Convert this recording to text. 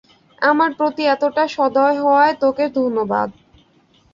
আমার প্রতি এতটা সদয় হওয়ায় তোকে ধন্যবাদ।